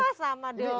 wah sama dong